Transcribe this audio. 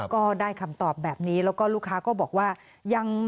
ก็ได้คำตอบแบบนี้แล้วก็ลูกค้าก็บอกว่ายัง